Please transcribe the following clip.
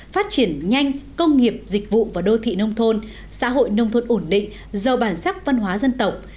phát triển nhanh công nghiệp dịch vụ và đô thị nông thôn xã hội nông thôn ổn định giàu bản sắc văn hóa dân tộc